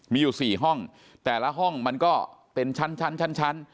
มีอยู่๔ห้องแต่ละห้องมันก็เป็นชั้น